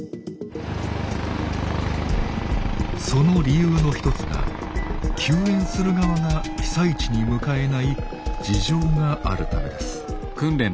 その理由の一つが救援する側が被災地に向かえない事情があるためです。